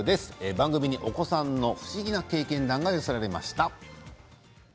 番組にお子さんの不思議な経験談が寄せられました。